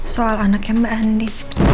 soal anaknya mbak andi